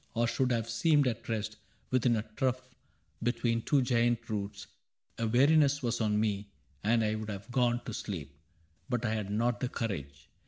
Or should have seemed at rest, within a trough Between two giant roots. A weariness 44 CAPTAIN CRAIG Was on me, and I would have gone to sleep, — But I had not the courage.